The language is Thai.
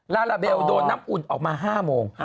ลาลาเบลโดนน้ำอุ่นออกมา๕โมง